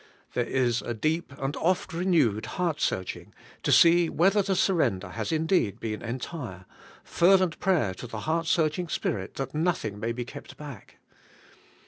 There is deep and oft renewed heart searching to see whether the surrender has in deed been entire ; fervent prayer to the heart searching Spirit that nothing may be kept back.